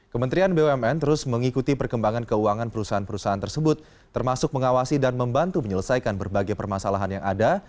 kementerian bumn terus mengikuti perkembangan keuangan perusahaan perusahaan tersebut termasuk mengawasi dan membantu menyelesaikan berbagai permasalahan yang ada